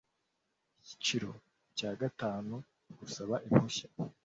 Iyiciro cya gatanu Gusaba impushya